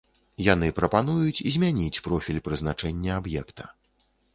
Яны прапануюць змяніць профіль прызначэння аб'екта.